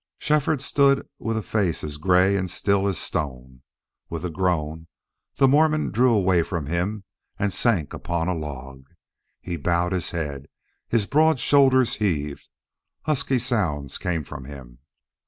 Shefford stood with a face as gray and still as stone. With a groan the Mormon drew away from him and sank upon a log. He bowed his head; his broad shoulders heaved; husky sounds came from him.